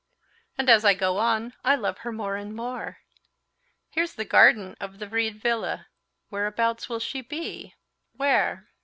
"And as I go on, I love her more and more. Here's the garden of the Vrede Villa. Whereabouts will she be? Where?